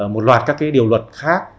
một loạt các cái điều luật khác